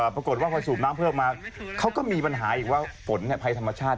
ปรากฏว่าพอสูบน้ำเพิ่มมาเขาก็มีปัญหาอีกว่าฝนภัยธรรมชาติ